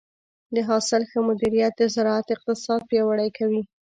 د حاصل ښه مدیریت د زراعت اقتصاد پیاوړی کوي.